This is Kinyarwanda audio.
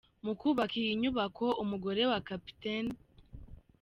Mu kubaka iyi nyubako, umugore wa Capt.